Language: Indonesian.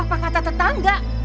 apa kata tetangga